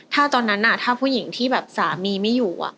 ถ้าตอนนั้นถ้าผู้หญิงที่แบบสามีไม่อยู่